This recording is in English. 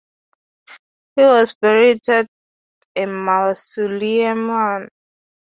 He was buried at a Mausoleum in Dhaka.